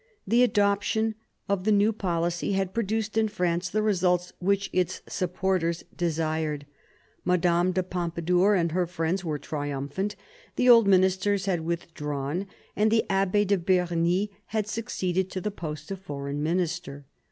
The adoption of the new policy had produced in France the results which its supporters desired. Madame de Pompadour and her friends were triumphant, the old ministers had withdrawn, and the Abbe* de Bernis had succeeded to the post of foreign minister.